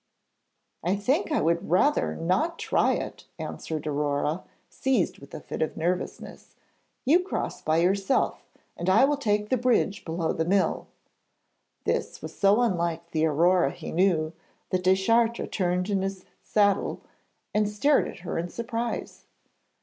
'I think I would rather not try it,' answered Aurore, seized with a fit of nervousness. 'You cross by yourself, and I will take the bridge below the mill.' This was so unlike the Aurore he knew that Deschartres turned in his saddle and stared at her in surprise.